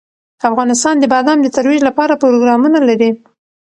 افغانستان د بادام د ترویج لپاره پروګرامونه لري.